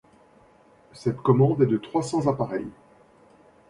Cette commande est de trois cents appareils.